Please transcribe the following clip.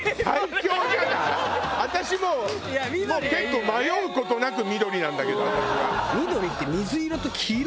私もう結構迷う事なく緑なんだけど。